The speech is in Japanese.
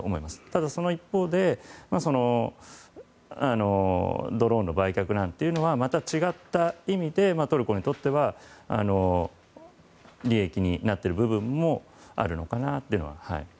ただ、その一方でドローンの売却というのはまた違った意味でトルコにとっては利益になっている部分もあるのかと思います。